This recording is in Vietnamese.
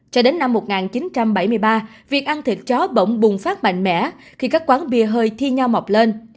cho đến năm một nghìn chín trăm bảy mươi ba việc ăn thịt chó bỗng bùng phát mạnh mẽ khi các quán bia hơi thi nhau mọc lên